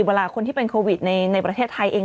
เวลาคนที่เป็นโควิดในประเทศไทยเอง